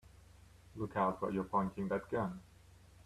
Look out where you're pointing that gun!